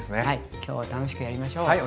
はい今日は楽しくやりましょう。